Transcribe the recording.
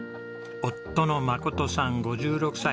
夫の真さん５６歳。